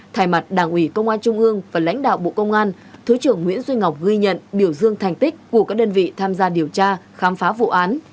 thay mặt đảng ủy công an trung ương và lãnh đạo bộ công an thứ trưởng nguyễn duy ngọc ghi nhận biểu dương thành tích của các đơn vị tham gia điều tra khám phá vụ án